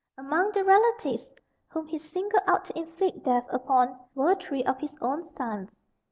Amongst the relatives whom he singled out to inflict death upon were three of his own sons.